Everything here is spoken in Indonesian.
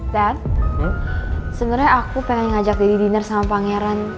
dad sebenernya aku pengen ngajak daddy dinner sama pangeran